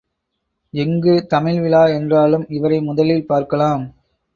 எங்கு தமிழ் விழா என்றாலும் இவரை முதலில் பார்க்கலாம்.